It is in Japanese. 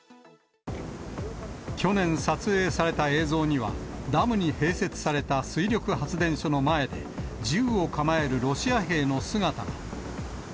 去年、撮影された映像には、ダムに併設された水力発電所の前で、銃を構えるロシア兵の姿が。